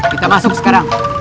kita masuk sekarang